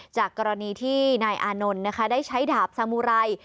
จากกรณีที่นายอานนท์นะคะได้ใช้ดาบสามุไร